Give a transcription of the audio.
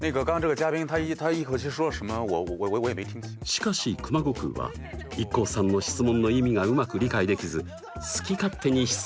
しかし熊悟空はＩＫＫＯさんの質問の意味がうまく理解できず好き勝手に質問します。